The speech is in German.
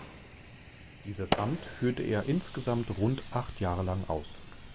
Dieses Amt führte er insgesamt rund acht Jahre lang aus.